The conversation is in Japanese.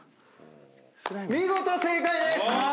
見事正解です！